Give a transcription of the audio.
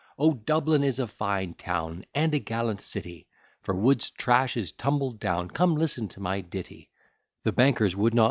O Dublin is a fine town And a gallant city, For Wood's trash is tumbled down, Come listen to my ditty, O Dublin is a fine town, &c.